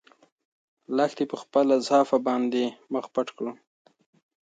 لښتې په خپله صافه باندې خپل مخ پټ کړ.